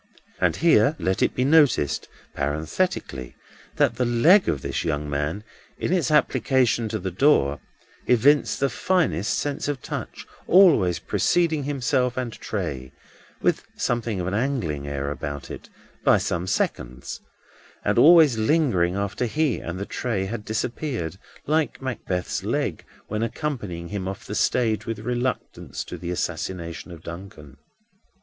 And here let it be noticed, parenthetically, that the leg of this young man, in its application to the door, evinced the finest sense of touch: always preceding himself and tray (with something of an angling air about it), by some seconds: and always lingering after he and the tray had disappeared, like Macbeth's leg when accompanying him off the stage with reluctance to the assassination of Duncan.